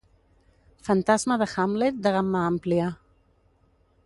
Fantasma de Hamlet de gamma àmplia.